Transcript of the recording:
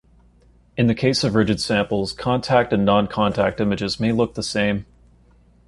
In the case of rigid samples, contact and non-contact images may look the same.